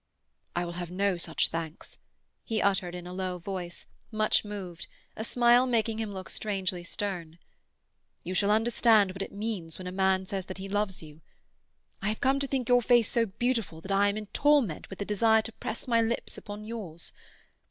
"I will have no such thanks," he uttered in a low voice, much moved, a smile making him look strangely stern. "You shall understand what it means when a man says that he loves you. I have come to think your face so beautiful that I am in torment with the desire to press my lips upon yours.